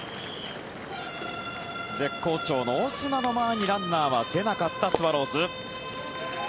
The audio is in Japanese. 絶好調のオスナの前にランナーは出なかったスワローズ。